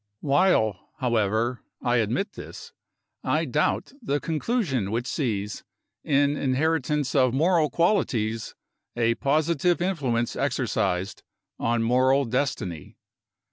While, however, I admit this, I doubt the conclusion which sees, in inheritance of moral qualities, a positive influence exercised on moral destiny.